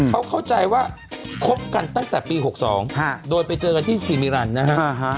เขาเข้าใจว่าคบกันตั้งแต่ปี๖๒โดยไปเจอกันที่ซีมิรันดินะฮะ